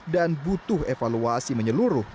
dan butuh evaluasi menyeluruh